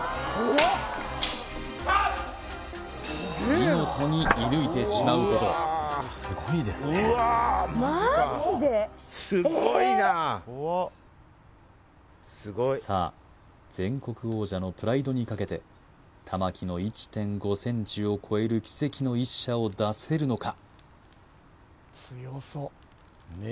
見事に射ぬいてしまうほどすごいですねさあ全国王者のプライドにかけて玉木の１．５ｃｍを超える奇跡の１射を出せるのか？